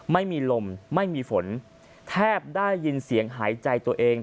ไม่มีลมไม่มีฝนแทบได้ยินเสียงหายใจตัวเอง